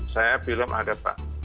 saya film ada pak